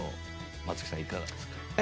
松木さん、いかがですか？